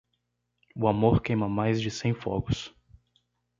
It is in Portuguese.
O amor queima mais de cem fogos.